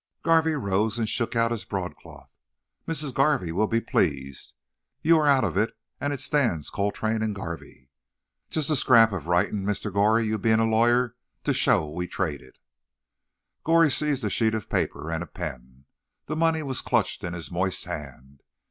Garvey rose, and shook out his broadcloth. "Missis Garvey will be pleased. You air out of it, and it stands Coltrane and Garvey. Just a scrap ov writin', Mr. Goree, you bein' a lawyer, to show we traded." Goree seized a sheet of paper and a pen. The money was clutched in his moist hand.